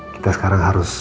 kita sekarang harus